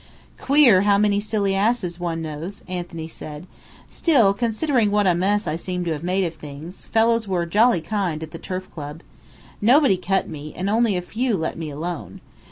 "Queer how many silly asses one knows!" Anthony said. "Still, considering what a mess I seem to have made of things, fellows were jolly kind, at the Turf Club. Nobody cut me, and only a few let me alone.